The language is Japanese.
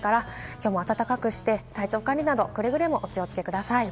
今日も暖かくして体調管理など、くれぐれもお気をつけください。